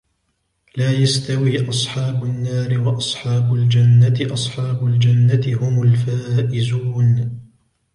لا يستوي أصحاب النار وأصحاب الجنة أصحاب الجنة هم الفائزون